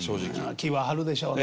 気は張るでしょうな。